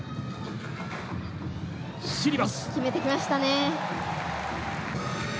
決めてきましたね。